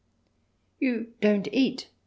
"You don't eat ?"